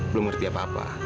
belum ngerti apa apa